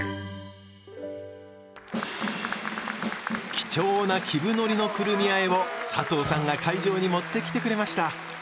貴重な「木生海苔のくるみ和え」も佐藤さんが会場に持ってきてくれました